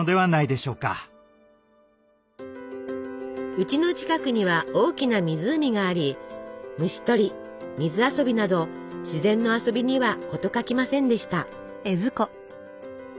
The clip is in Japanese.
うちの近くには大きな湖があり虫取り水遊びなど自然の遊びには事欠きませんでした。